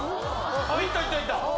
いったいったいった。